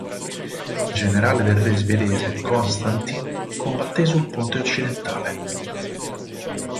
Il generale del re svedese Constantin combatté sul ponte occidentale.